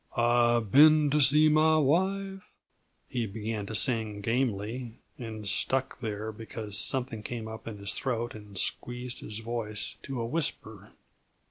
"I have been to see my wife " he began to sing gamely, and stuck there, because something came up in his throat and squeezed his voice to a whisper.